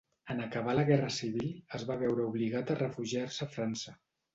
En acabar la guerra civil, es va veure obligat a refugiar-se a França.